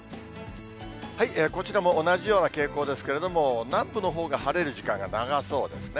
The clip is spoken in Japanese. こちらも同じような傾向ですけれども、南部のほうが晴れる時間が長そうですね。